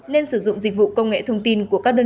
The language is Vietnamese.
nên sử dụng dịch vụ công nghệ thông tin của các đơn vị tư vấn